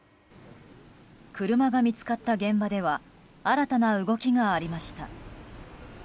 車が見つかった現場では新たな動きがありました。